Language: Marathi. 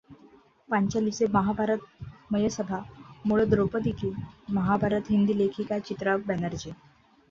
पांचालीचे महाभारत मयसभा मूळ द्रौपदी की महाभारत, हिंदी लेखिका चित्रा बॅनर्जी